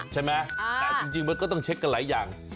ใช่ไหมแต่จริงมันก็ต้องเช็คกันหลายอย่าง